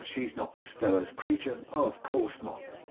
She's not this fellow's creature. Oh, of course not!